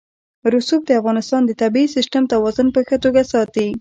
رسوب د افغانستان د طبعي سیسټم توازن په ښه توګه ساتي.